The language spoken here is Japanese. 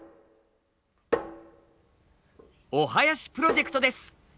お囃子プロジェクトです。